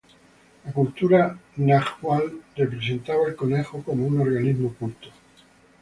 La cultura náhuatl representaba al conejo como un organismo culto.